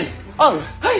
はい。